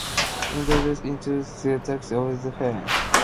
Inducted into the Texas Sports Hall of Fame.